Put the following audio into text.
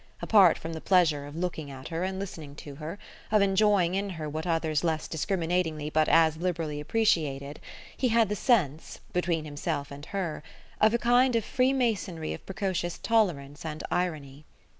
Apart from the pleasure of looking at her and listening to her of enjoying in her what others less discriminatingly but as liberally appreciated he had the sense, between himself and her, of a kind of free masonry of precocious tolerance and irony.